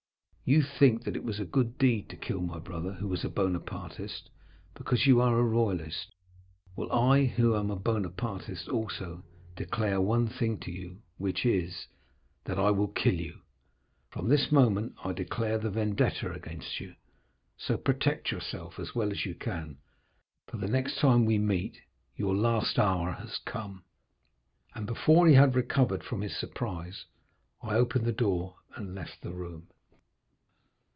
You think that it was a good deed to kill my brother, who was a Bonapartist, because you are a royalist. Well, I, who am a Bonapartist also, declare one thing to you, which is, that I will kill you. From this moment I declare the vendetta against you, so protect yourself as well as you can, for the next time we meet your last hour has come.' And before he had recovered from his surprise, I opened the door and left the room."